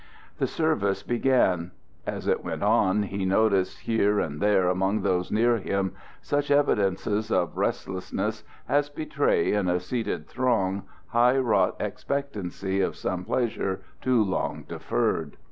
The service began. As it went on he noticed here and there among those near him such evidences of restlessness as betray in a seated throng high wrought expectancy of some pleasure too long deferred.